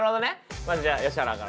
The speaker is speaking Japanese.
まずじゃあ吉原から。